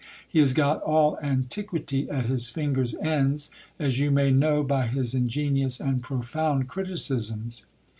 He has got all antiquity at his fingers' ends, as you may know by his ingenious and profound criticisms.